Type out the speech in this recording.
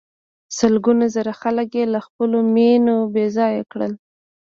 سلګونه زره خلک یې له خپلو مېنو بې ځایه کړل.